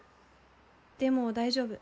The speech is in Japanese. でも大丈夫。